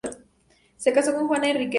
Se casó con Juana Enríquez.